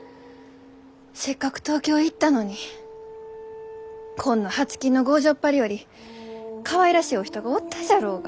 せっかく東京行ったのにこんなはちきんの強情っぱりよりかわいらしいお人がおったじゃろうが。